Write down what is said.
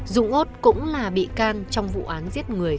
dung út cũng là bị can trong vụ án giết người